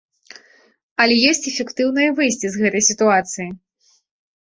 Але ёсць эфектыўнае выйсце з гэтай сітуацыі!